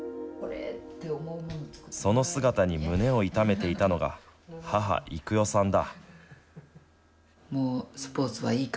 その姿に胸を痛めていたのが母、育代さんだ。